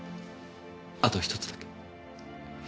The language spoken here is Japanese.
あと１つだけ。